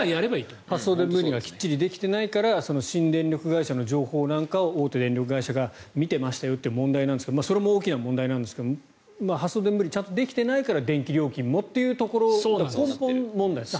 発送電分離がきっちりできていないから新電力会社の情報なんかを大手電力会社が見てましたよって問題なんですがそれも大きな問題ですが発送電分離がちゃんとできていないから電気料金もというところ根本問題なんですね。